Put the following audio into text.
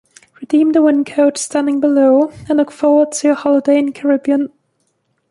Redeem the win code standing below and look forward to your holiday in the Caribbean.